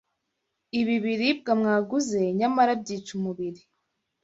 ibi biribwa mwaguze nyamara byica umubiri.